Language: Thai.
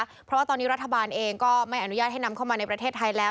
และวัฒนฐาบาลเองก็ไม่อนุญาตให้นำเข้ามาในประเทศไทยแล้ว